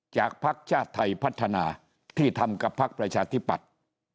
ภักดิ์ชาติไทยพัฒนาที่ทำกับพักประชาธิปัตย์